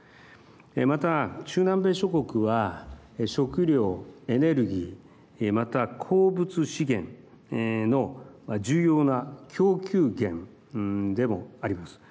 また、中南米諸国は食料、エネルギーまた鉱物資源の重要な供給源でもあります。